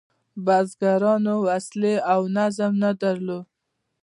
بزګرانو وسلې او نظم نه درلود.